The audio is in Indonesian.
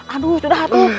aduh sudah tuh